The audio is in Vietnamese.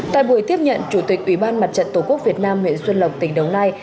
tại buổi tiếp nhận chủ tịch ủy ban mặt trận tổ quốc việt nam huyện xuân lộc tỉnh đồng nai